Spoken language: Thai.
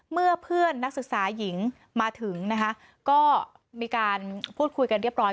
เมื่อเพื่อนนักศึกษาหญิงมาถึงนะคะก็มีการพูดคุยกันเรียบร้อย